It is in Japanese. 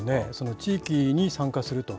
地域に参加すると。